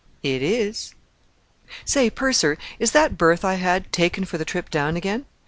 "It is." "Say, purser, is that berth I had taken for the trip down again?